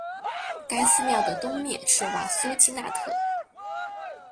该寺庙的东面是瓦苏基纳特。